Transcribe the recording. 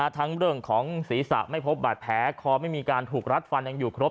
ทั้งเรื่องของศีรษะไม่พบบาดแผลคอไม่มีการถูกรัดฟันยังอยู่ครบ